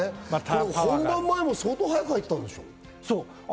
本番前も相当早く入ったんでそう。